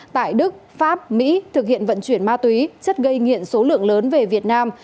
tại đức pháp mỹ thực hiện vận chuyển ma túy chất gây nghiện số lượng lớn về việt nam